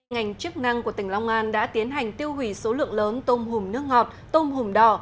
ngành chức năng của tỉnh long an đã tiến hành tiêu hủy số lượng lớn tôm hùm nước ngọt tôm hùm đỏ